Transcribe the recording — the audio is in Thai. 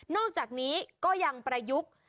อกจากนี้ก็ยังประยุกต์